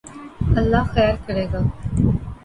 اللہ خیر کرے گا